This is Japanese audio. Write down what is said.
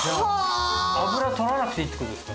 脂取らなくていいって事ですか？